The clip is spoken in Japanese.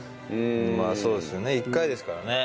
まあそうですよね一回ですからね。